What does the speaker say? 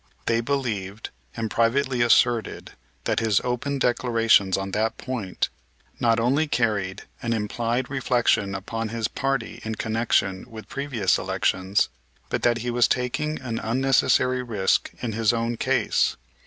They believed and privately asserted that his open declarations on that point not only carried an implied reflection upon his party in connection with previous elections, but that he was taking an unnecessary risk in his own case.